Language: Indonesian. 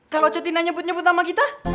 kalau cutina nyebut nyebut nama kita